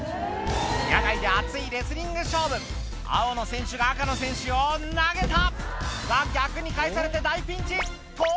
野外で熱いレスリング勝負青の選手が赤の選手を投げたが逆に返されて大ピンチと！